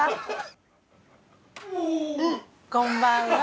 こんばんは。